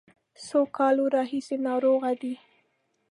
څو کالو راهیسې ناروغه دی.